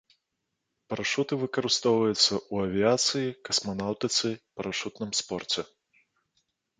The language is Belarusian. Парашуты выкарыстоўваюцца ў авіяцыі, касманаўтыцы, парашутным спорце.